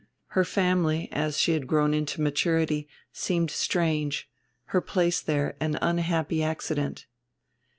Her family, as she had grown into maturity, seemed strange, her place there an unhappy accident.